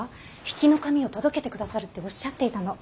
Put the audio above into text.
比企の紙を届けてくださるっておっしゃっていたの。